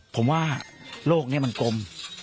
ผมว่าโลกนี้มันกลม